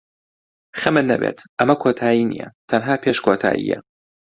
خەمت نەبێت، ئەمە کۆتایی نییە، تەنها پێش کۆتایییە.